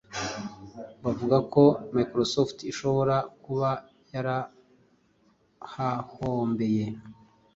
bavuga ko Microsoft ishobora kuba yarahahombeye.